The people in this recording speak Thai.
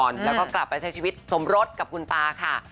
แล้วก็กลับไปใช้ชีวิตสมรสกับคุณตาค่ะ